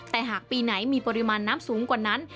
แต่หากปีไหนมีปริมาณน้ำสูงกว่านั้น